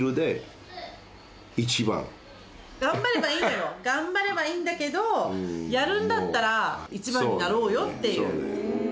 頑張ればいいんだよ、頑張ればいいんだけど、やるんだったら、１番になろうよっていう。